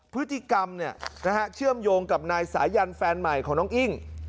พฤติกรรมเชื่อมโยงกับนายสายันแฟนใหม่ของน้องอิ้ง